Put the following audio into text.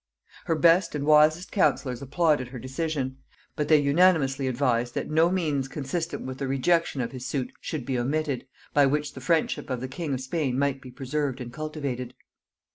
Her best and wisest counsellors applauded her decision, but they unanimously advised that no means consistent with the rejection of his suit should be omitted, by which the friendship of the king of Spain might be preserved and cultivated.